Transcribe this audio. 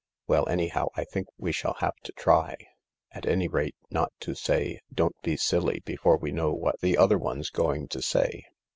" Well, anyhow, I think we shall have to try ; at any rate, not to say, ' Don't be silly ' before we know what the other one's going to say."